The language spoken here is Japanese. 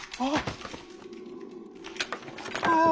ああ。